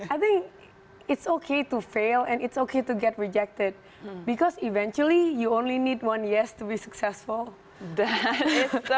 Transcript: aku pikir gpp untuk gagal dan gpp untuk di reject karena akhirnya kamu hanya butuh satu tahun untuk berjaya